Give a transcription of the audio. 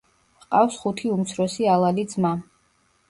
ჰყავს ხუთი უმცროსი ალალი ძმა.